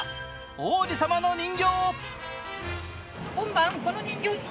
王子様の人形。